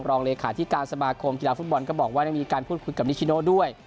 รองเลขาธิการสมาคมกีฬาฟุตบอลก็บอกว่าได้มีการพูดคุยกับนิชิโนด้วย